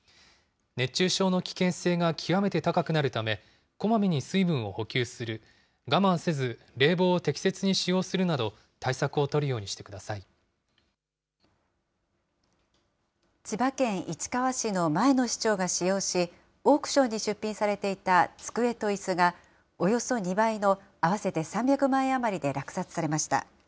熱中症の危険性が極めて高くなるため、こまめに水分を補給する、我慢せず冷房を適切に使用するなど、対策を取るようにしてくださ千葉県市川市の前の市長が使用し、オークションに出品されていた机といすが、およそ２倍の合わせて３００万円余りで落札されました。